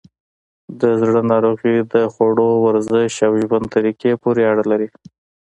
د زړه ناروغۍ د خوړو، ورزش، او ژوند طریقه پورې اړه لري.